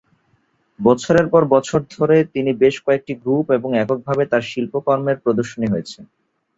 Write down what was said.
বছরের পর বছর ধরে তিনি বেশ কয়েকটি গ্রুপ এবং একক ভাবে তার শিল্পকর্মের প্রদর্শনী হয়েছে।